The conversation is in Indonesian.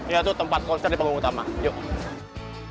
yaitu tempat konser di panggung utama yuk